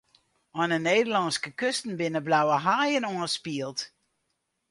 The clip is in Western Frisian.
Oan 'e Nederlânske kusten binne blauwe haaien oanspield.